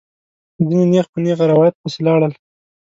ځینې نېغ په نېغه روایت پسې لاړل.